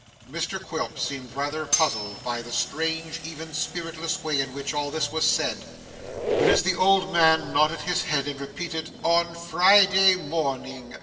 Mr Quilp seemed rather puzzled by the strange, even spiritless way in which all this was said; but as the old man nodded his head and repeated 'on Friday morning.